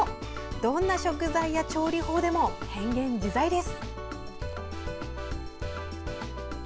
どんな食材や調理法でも変幻自在です。